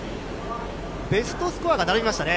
ベストスコアが並びましたね。